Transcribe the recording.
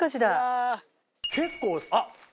結構あっ！